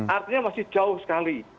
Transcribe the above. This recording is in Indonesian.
artinya masih jauh sekali